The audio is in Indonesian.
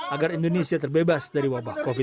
agar indonesia terbebas dari wabah covid sembilan belas